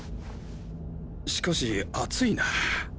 しかし暑いな。